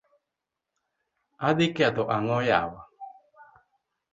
Adhi ketho ang'o yawa.